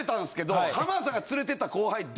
浜田さんが連れてった後輩。